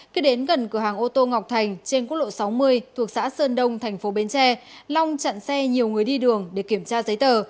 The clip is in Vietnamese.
khi đến gần cửa hàng ô tô ngọc thành trên quốc lộ sáu mươi thuộc xã sơn đông thành phố bến tre long chặn xe nhiều người đi đường để kiểm tra giấy tờ